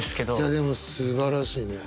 いやでもすばらしいね。